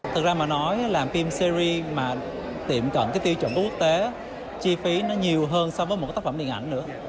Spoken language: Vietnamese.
thực ra mà nói làm phim series mà tiệm cận cái tiêu chuẩn quốc tế chi phí nó nhiều hơn so với một cái tác phẩm điện ảnh nữa